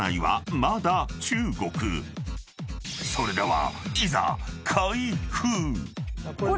［それでは］